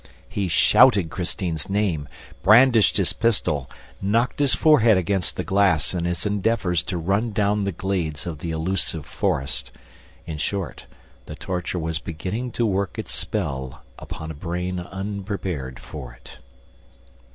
He shouted Christine's name, brandished his pistol, knocked his forehead against the glass in his endeavors to run down the glades of the illusive forest. In short, the torture was beginning to work its spell upon a brain unprepared for it.